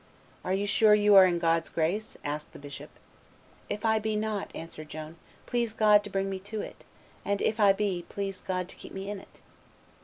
"Are you sure you are in God's grace?" asked the bishop. "If I be not," answered Joan, "please God to bring me to it; and if I be, please God to keep me in it!"